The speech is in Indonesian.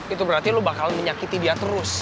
itu berarti lu bakal menyakiti dia terus